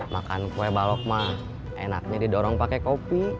makan kue balok mah enaknya didorong pakai kopi